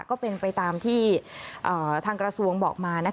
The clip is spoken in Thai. ก็เป็นไปตามที่ทางกระทรวงบอกมา